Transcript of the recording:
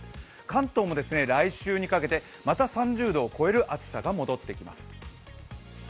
関東も来週にかけてまた３０度を超える暑さが戻ってきます。